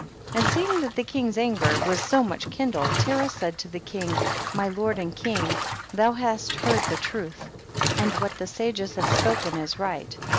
13. And seeing that the king's an ger was so much kindled, Terah said to the king, my lord and king, thou hast heard the truth and what the sages have spoken is right.